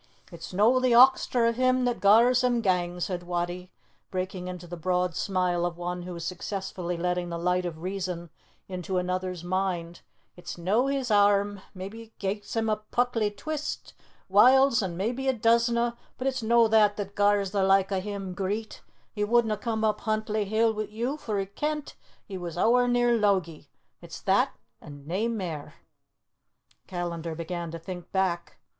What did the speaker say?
"It's no the oxter of him that gars him gang," said Wattie, breaking into the broad smile of one who is successfully letting the light of reason into another's mind. "It's no his airm. Maybe it gies him a pucklie twist, whiles, and maybe it doesna, but it's no that that gars the like o' him greet. He wouldna come up Huntly Hill wi' you, for he ken't he was ower near Logie. It's that, an' nae mair!" Callandar began to think back.